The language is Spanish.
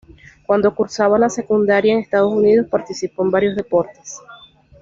Cuando cursaba la secundaria en Estados Unidos participó en varios deportes.